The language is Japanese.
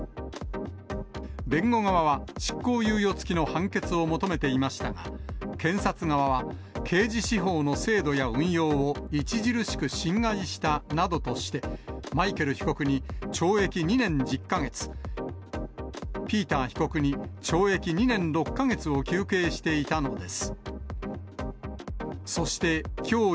弁護側は執行猶予付きの判決を求めていましたが、検察側は、刑事司法の制度や運用を著しく侵害したなどとして、マイケル被告に懲役２年１０か月、ピーター被告に懲役２年６か月を求刑していたのです。